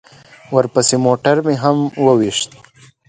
ورپسې موټر مې هم وويشت.